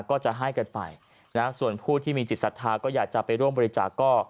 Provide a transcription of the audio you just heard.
ก็จะให้กันไปนะส่วนผู้ที่มีจิตศรัทธาก็อยากจะไปร่วมบริจาคก็